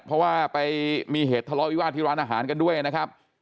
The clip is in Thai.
เพราะว่าไปมีเหตุทะเลาะวิวาสที่ร้านอาหารกันด้วยนะครับ